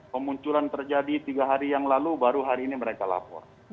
kemunculan terjadi tiga hari yang lalu baru hari ini mereka lapor